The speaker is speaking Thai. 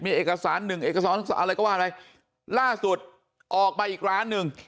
มีเอกสารหนึ่งเอกสารอะไรก็ว่าอะไรล่าสุดออกมาอีกร้านหนึ่ง